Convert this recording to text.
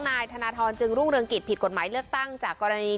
นายธนทรจึงรุ่งเรืองกิจผิดกฎหมายเลือกตั้งจากกรณี